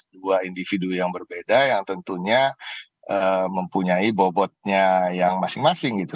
dua individu yang berbeda yang tentunya mempunyai bobotnya yang masing masing gitu